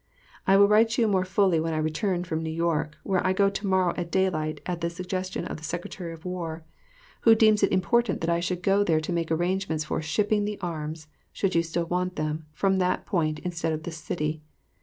I will write to you more fully when I return from New York, where I go to morrow at daylight, at the suggestion of the Secretary of War, who deems it important that I should go there to make arrangements for shipping the arms (should you still want them) from that point instead of this city